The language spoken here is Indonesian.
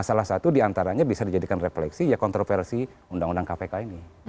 salah satu diantaranya bisa dijadikan refleksi ya kontroversi undang undang kpk ini